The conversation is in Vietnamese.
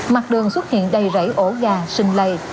mặt đường xuất hiện đầy rẫy ổ gà xưng lầy